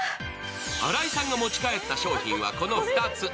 新井さんが持ち帰った商品はこの２つ。